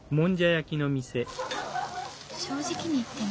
正直に言ってね。